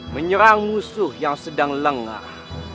menyerang musuh yang sedang lengah